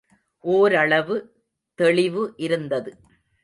ஓரளவு தெளிவு இருந்தது.